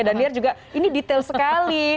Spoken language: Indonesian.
dan dia juga ini detail sekali